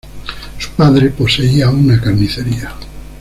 Su padre poseía una carnicería.